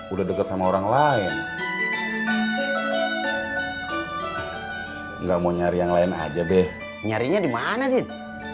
udah deket sama orang lain enggak mau nyari yang lain aja be nyarinya di mana din